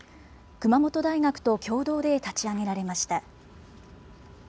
熊本大学と共同で立ち上げられました。